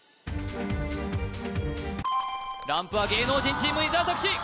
ランプは芸能人チーム伊沢拓司